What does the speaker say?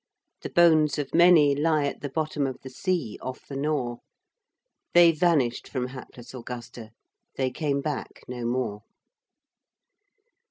The bones of many lie at the bottom of the sea off the Nore. They vanished from hapless Augusta; they came back no more.